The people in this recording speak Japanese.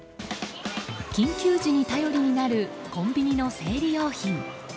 緊急時に頼りになるコンビニの生理用品。